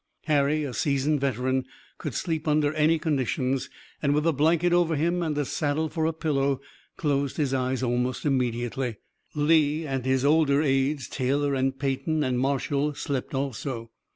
Harry, a seasoned veteran, could sleep under any conditions and with a blanket over him and a saddle for a pillow closed his eyes almost immediately. Lee and his older aides, Taylor and Peyton and Marshall, slept also.